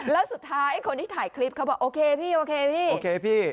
แล้วสุดท้ายคนที่ถ่ายคลิปเขาบอกโอเคพี่โอเคพี่